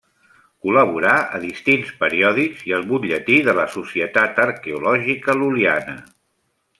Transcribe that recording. Col·laborà a distints periòdics i al Butlletí de la Societat Arqueològica Lul·liana.